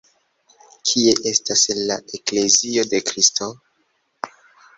Kie estas la Eklezio de Kristo?.